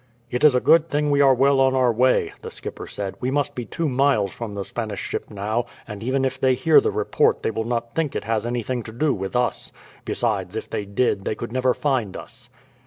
"It is a good thing we are well on our way," the skipper said. "We must be two miles from the Spanish ship now; and even if they hear the report they will not think it has anything to do with us. Besides, if they did, they could never find us."